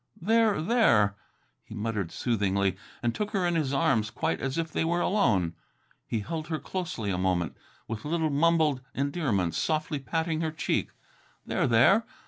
"There, there!" he muttered soothingly, and took her in his arms quite as if they were alone. He held her closely a moment, with little mumbled endearments, softly patting her cheek. "There, there!